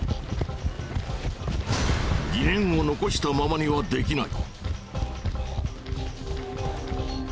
疑念を残したままにはできない。